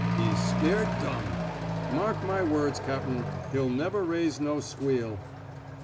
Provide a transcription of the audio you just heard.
He's scared dumb. Mark my words, cap'n, he'll never raise no squeal."